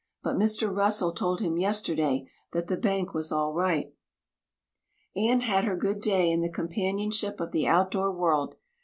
But Mr. Russell told him yesterday that the bank was all right." Anne had her good day in the companionship of the outdoor world.